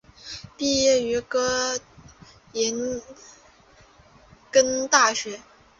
毕业于哥廷根大学。